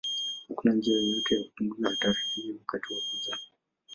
Hakuna njia yoyote ya kupunguza hatari hii wakati wa kuzaa.